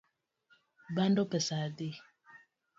Bando pesa adi?